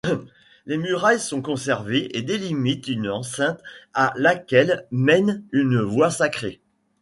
Les murailles sont conservées et délimitent une enceinte à laquelle mène une voie sacrée.